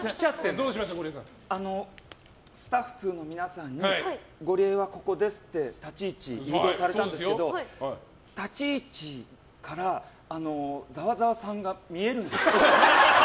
あの、スタッフの皆さんにゴリエはここですって立ち位置、誘導されたんですけど立ち位置からざわざわさんが見えるんです。